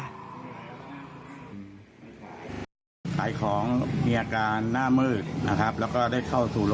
ซากหลายปาก